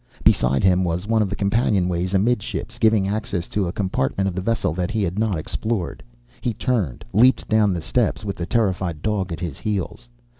Beside him was one of the companionways amidships, giving access to a compartment of the vessel that he had not explored. He turned, leaped down the steps, with the terrified dog at his heels.